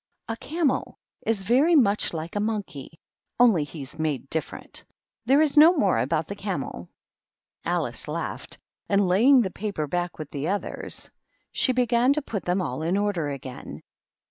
A camel is very much like a monkey y only he is made different. There is no more about the camels Alice laughed, and laying the paper back with the others, she began to put them all in order 236 THE MOCK TURTLE. again.